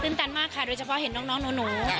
ตันมากค่ะโดยเฉพาะเห็นน้องหนู